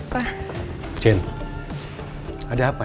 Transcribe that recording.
resto untuk childcare ibu atau baby